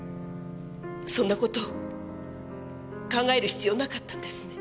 そんなこと考える必要なかったんですね。